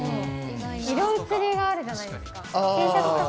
色移りがあるじゃないですか。